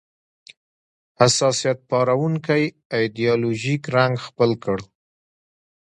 حساسیت پاروونکی ایدیالوژیک رنګ خپل کړ